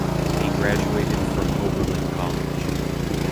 He graduated from Oberlin College.